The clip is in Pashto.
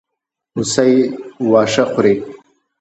هوسۍ واښه خوري.